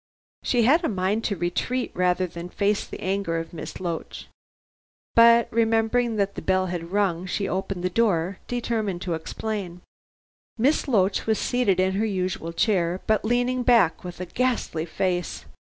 She had a mind to retreat rather than face the anger of Miss Loach. But remembering that the bell had rung, she opened the door, determined to explain. Miss Loach was seated in her usual chair, but leaning back with a ghastly face.